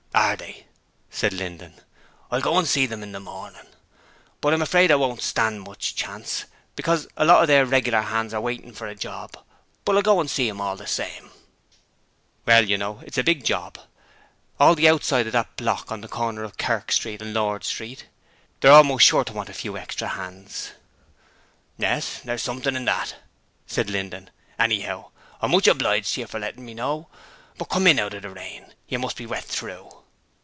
'Are they?' said Linden. 'I'll go and see them in the morning. But I'm afraid I won't stand much chance, because a lot of their regular hands are waiting for a job; but I'll go and see 'em all the same.' 'Well, you know, it's a big job. All the outside of that block at the corner of Kerk Street and Lord Street. They're almost sure to want a few extra hands.' 'Yes, there's something in that,' said Linden. 'Anyhow, I'm much obliged to you for letting me know; but come in out of the rain. You must be wet through.'